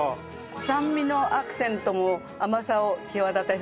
酸味のアクセントも甘さを際立たせます。